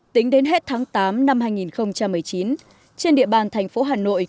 tính đến hết tháng tám năm hai nghìn một mươi chín trên địa bàn thành phố hà nội